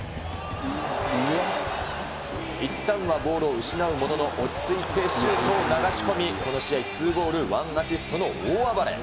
いったんはボールを失うものの、落ち着いてシュートを流し込み、この試合、２ゴール１アシストの大暴れ。